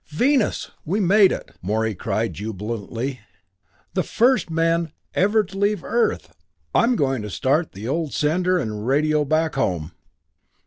"Venus! We made it!" Morey cried jubilantly. "The first men ever to leave Earth I'm going to start the old sender and radio back home!